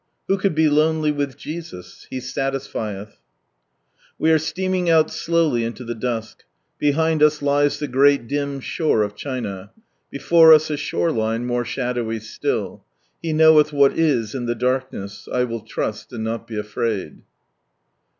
Who could be lonely with Jesus ? He satisfieth ! We are steaming out slowly into the dusk. Behind us lies the great dim shore of China. Before us a shore line, more shadowy still. He knoweih what is in the darkness. I will trust and not be afraid.